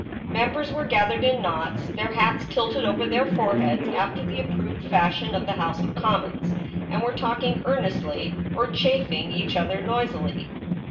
Mem bers were gathered in knots, their hats tilted over their foreheads after the approved fashion of the House of Commons, and were talking earnestly, or chaffing each other noisily.